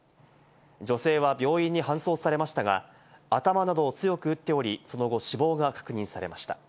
女性は病院に搬送されましたが、頭などを強く打っており、その後、死亡が確認されました。